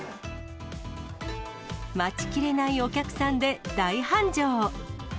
待ちきれないお客さんで大繁盛。